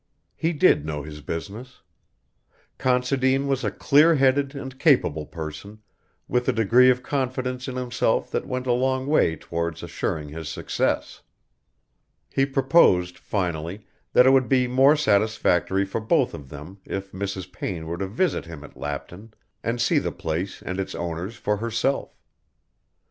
He did know his business. Considine was a clear headed and capable person with a degree of confidence in himself that went a long way towards assuring his success. He proposed, finally, that it would be more satisfactory for both of them if Mrs. Payne were to visit him at Lapton and see the place and its owners for herself.